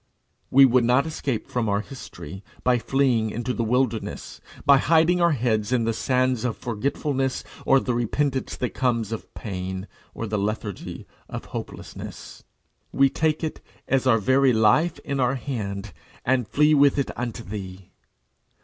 We would not escape from our history by fleeing into the wilderness, by hiding our heads in the sands of forgetfulness, or the repentance that comes of pain, or the lethargy of hopelessness. We take it, as our very life, in our hand, and flee with it unto thee.